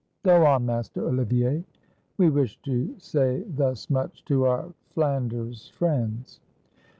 Go on, Master Olivier. We wished to say thus much to our Flanders friends."